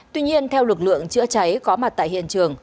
tuy nhiên theo lực lượng chữa cháy có mặt tại hiện trường